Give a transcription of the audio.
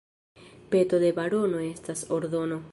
Peto de barono estas ordono.